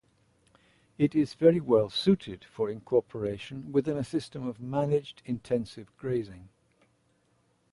It is very well suited for incorporation within a system of managed intensive grazing.